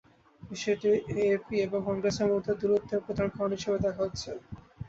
বিষয়টি এএপি এবং কংগ্রেসের মধ্যে দূরত্বের প্রধান কারণ হিসেবে দেখা হচ্ছে।